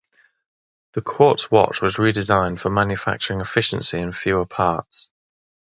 The quartz watch was redesigned for manufacturing efficiency and fewer parts.